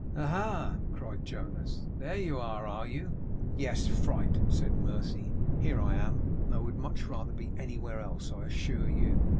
'Aha!' cried Jonas. 'There you are, are you?' 'Yes, fright,' said Mercy, 'here I am; and I would much rather be anywhere else, I assure you.